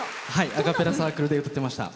アカペラサークルで歌ってました。